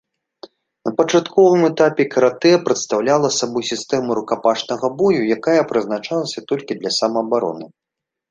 На пачатковым этапе каратэ прадстаўляла сабой сістэму рукапашнага бою, якая прызначалася толькі для самаабароны.